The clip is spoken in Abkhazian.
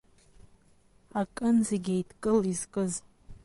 Акын зегьы еидкыл изкыз…